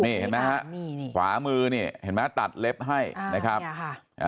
เห็นไหมฮะขวามือเนี่ยเห็นไหมฮะตัดเล็บให้นะครับอ่าเนี่ยค่ะ